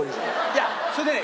いやそれでね